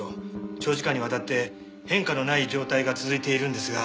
長時間にわたって変化のない状態が続いているんですが。